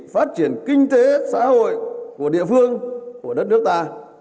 phát triển kinh tế xã hội của địa phương của đất nước ta